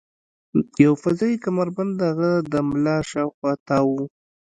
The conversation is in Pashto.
یو فضايي کمربند د هغه د ملا شاوخوا تاو و